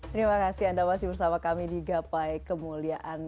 terima kasih anda masih bersama kami di gapai kemuliaan